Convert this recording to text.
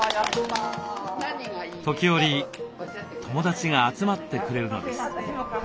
時折友達が集まってくれるのです。